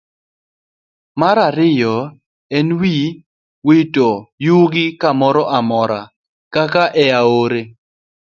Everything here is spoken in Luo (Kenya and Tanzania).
Mar ariyo en ni, wito yugi kamoro amora, kaka e aore.